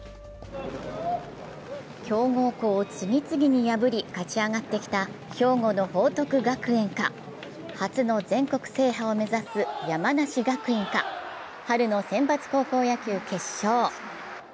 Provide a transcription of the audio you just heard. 強豪校を次々に破り勝ち上がってきた兵庫の報徳学園か初の全国制覇を目指す山梨学院か、春の選抜高校野球、決勝。